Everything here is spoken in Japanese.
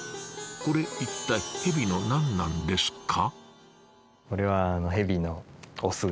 これ一体ヘビの何なんですか？